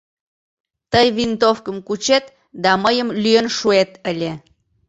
Тый винтовкым кучет да мыйым лӱен шуэт ыле.